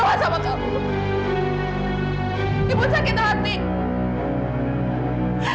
ngapain tadi kamu nyuruh ibu biran itu ngomong yang sebenar